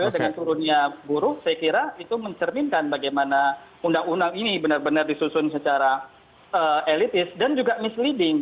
dengan turunnya buruh saya kira itu mencerminkan bagaimana undang undang ini benar benar disusun secara elitis dan juga misleading